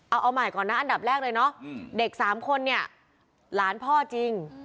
เอาใหม่ก่อนนะอันดับแรกเลยเนาะเด็ก๓คนเนี่ยหลานพ่อจริง